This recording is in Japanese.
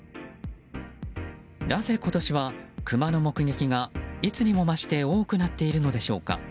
なぜ今年はクマの目撃がいつにも増して多くなっているのでしょうか。